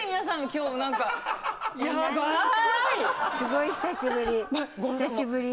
すごい久しぶり。